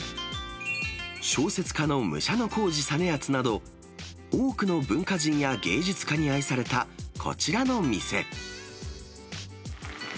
小説家の武者小路実篤など、多くの文化人や芸術家に愛されたこちらの店。